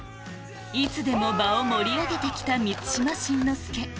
いつでも場を盛り上げて来た満島真之介